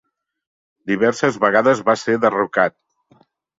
Diverses vegades va ser derrocat.